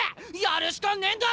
やるしかねえんだ！